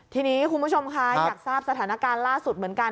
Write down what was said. ทีนี้คุณผู้ชมคะอยากทราบสถานการณ์ล่าสุดเหมือนกัน